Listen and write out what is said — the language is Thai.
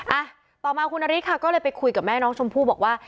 อ่ะต่อมาคุณนาริสค่ะก็เลยไปคุยกับแม่น้องชมพู่บอกว่า